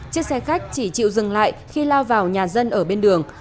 chiếc xe khách chỉ chịu dừng lại khi lao vào nhà dân ở bên đường